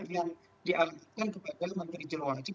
yang dianggarkan kepada menteri jelur wajib